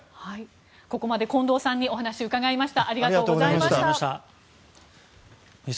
ここまで近藤さんにお話を伺いました。